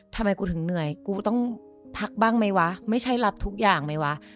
ทำไมกูถึงเหนื่อยกูต้องพักบ้างไหมวะไม่ใช่รับทุกอย่างไหมวะ